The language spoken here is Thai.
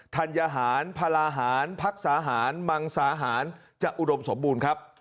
ธัญหารพลาหารพักสาหารมังสาหารจะอุดมสมบูรณ์ครับ